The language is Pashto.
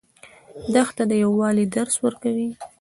دښته د یووالي درس ورکوي.